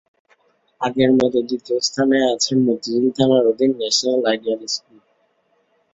আগের মতো দ্বিতীয় স্থানে আছে মতিঝিল থানার অধীন ন্যাশনাল আইডিয়াল স্কুল।